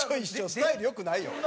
スタイル良くないよ。